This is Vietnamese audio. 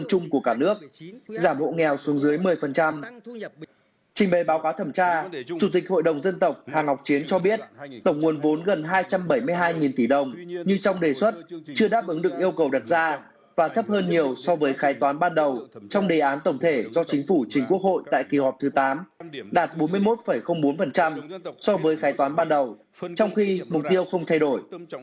chủ tịch hội đồng dân tộc hàng ngọc chiến cho biết tổng nguồn vốn gần hai trăm bảy mươi hai tỷ đồng như trong đề xuất chưa đáp ứng được yêu cầu đặt ra và thấp hơn nhiều so với khái toán ban đầu trong đề án tổng thể do chính phủ chính quốc hội tại kỳ họp thứ tám đạt bốn mươi một bốn so với khái toán ban đầu trong khi mục tiêu không thay đổi